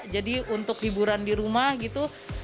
jadi untuk hiburan di rumah gitu